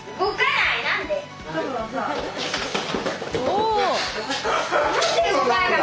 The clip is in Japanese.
お！